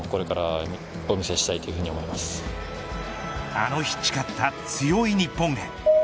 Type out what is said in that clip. あの日誓った強い日本へ。